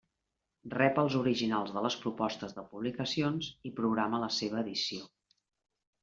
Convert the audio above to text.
Rep els originals de les propostes de publicacions i programa la seva edició.